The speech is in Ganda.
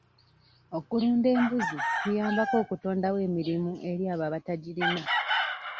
Okulunda embuzi kuyambako okutondawo emirimu eri abo abatagirina.